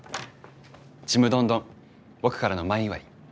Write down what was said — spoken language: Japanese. ちむどんどん僕からの前祝い。